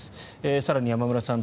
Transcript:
更に、山村さん